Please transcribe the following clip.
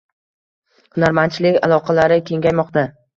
Hunarmandchilik aloqalari kengaymoqda